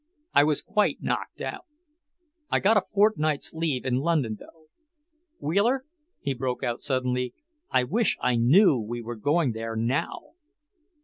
I was quite knocked out. I got a fortnight's leave in London, though. Wheeler," he broke out suddenly, "I wish I knew we were going there now!"